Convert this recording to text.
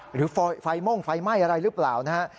หรือไฟม่วงไฟไหม้อะไรหรือเปล่านะฮะ